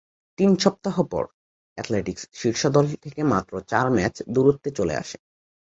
তিন সপ্তাহ পর, "অ্যাথলেটিক্স" শীর্ষ দল থেকে মাত্র চার ম্যাচ দূরত্বে চলে আসে।